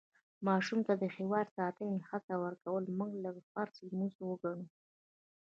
ماشوم ته د هېواد ساتنې حس ورکول مونږ لکه فرض لمونځ وګڼو.